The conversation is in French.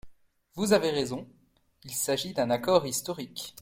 Vous avez raison ! Il s’agit d’un accord historique.